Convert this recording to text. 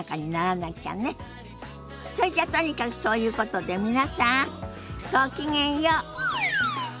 そいじゃとにかくそういうことで皆さんごきげんよう。